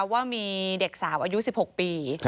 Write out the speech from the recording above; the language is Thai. ว่ามีเด็กสาวอายุ๑๖ปี